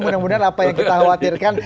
mudah mudahan apa yang kita khawatirkan